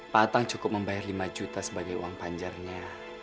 pak atang cukup membayar lima juta sebagai uang panjarnya